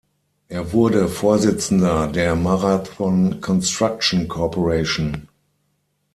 Er wurde Vorsitzender der Marathon Construction Corp.